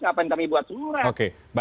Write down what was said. ngapain kami buat surat oke baik